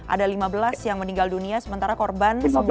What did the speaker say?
ada lima belas yang meninggal dunia sementara korban sembuh